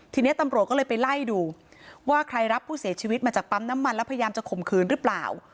ทีนี้ตำรวจก็เลยไปไล่ดูว่าใครรับผู้เสียชีวิตมาจากปั๊มน้ำมันแล้วพยายามจะข่มขืนหรือเปล่า